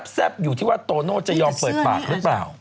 แซ่บอยู่ที่ว่าโตโน่จะยอมเปิดปากหรือเปล่า